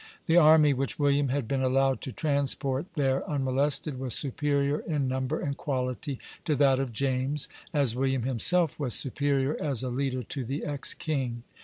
The army which William had been allowed to transport there unmolested was superior in number and quality to that of James, as William himself was superior as a leader to the ex king.